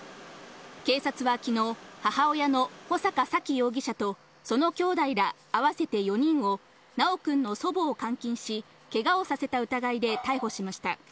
警察はきのう、母親の穂坂沙喜容疑者とそのきょうだいら合わせて４人を、修くんの祖母を監禁し、けがをさせた疑いで逮捕しました。